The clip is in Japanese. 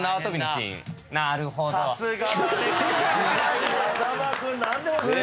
さすがだね。